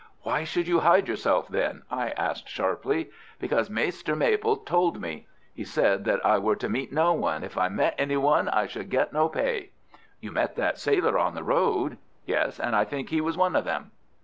"Why should you hide yourself, then?" I asked, sharply. "Because Maister Maple told me. He said that I were to meet no one. If I met any one I should get no pay." "You met that sailor on the road?" "Yes, and I think he was one of them."